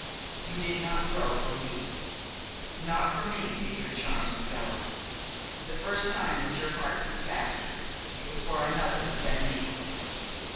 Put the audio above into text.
You did not grow for me; not for me did your charms develop. The first time that your heart beat faster it was for another than me.